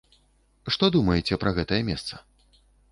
Што думаеце пра гэтае месца?